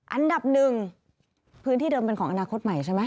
อันดับหนึ่งพื้นที่เดิมเป็นของอนาคตใหม่ใช่ไหม